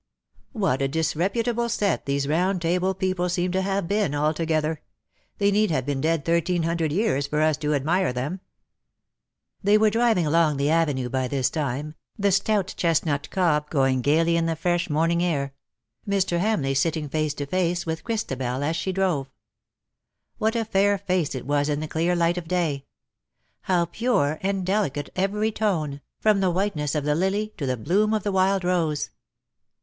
What a disreputable set these Round Table people seem to have been altogether — they need have been dead thirteen hundred years for us to admire them \" They were driving along the avenue by this time^ the stout chestnut cob going gaily in the fresh morning air — Mr„ Hamleigh sitting face to face with Christabel as she drove. What a fair face it was in the clear light of day ! How pure and delicate every tone, from the whiteness of the lily to the bloom of the wild rose